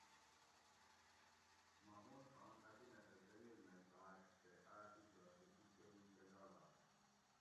محمود خان اپینہ تہ زنگل مئی باۤش تے آۤس ای جاسوسی کۤروکہ لاڑاش